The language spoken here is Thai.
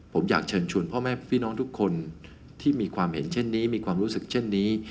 ผมอยากเชิญชวนพ่อแม่พี่น้องทุกคนที่มีความเห็นเช่นนี้มีความรู้สึกเช่นนี้